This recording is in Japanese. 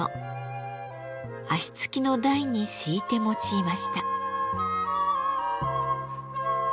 脚付きの台に敷いて用いました。